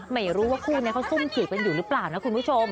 ไม่รู้ว่าคู่นี้เขาซุ่มจีบกันอยู่หรือเปล่านะคุณผู้ชม